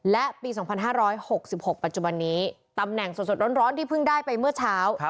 และปี๒๕๖๖ปัจจุบันนี้ตำแหน่งสดร้อนที่เพิ่งได้ไปเมื่อเช้า